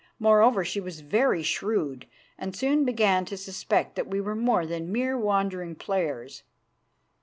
Moreover, she was very shrewd, and soon began to suspect that we were more than mere wandering players.